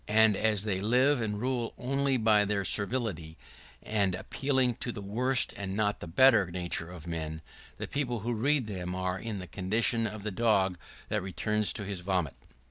And as they live and rule only by their servility, and appealing to the worse, and not the better, nature of man, the people who read them are in the condition of the dog that returns to his vomit.